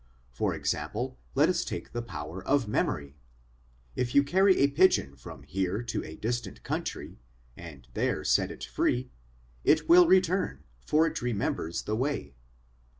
For example, let us take the power of memory: if you carry a pigeon from here to a distant country, and there set it free, it will return, for it remembers the way.